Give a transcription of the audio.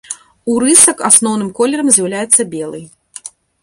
У рысак асноўным колерам з'яўляецца белы.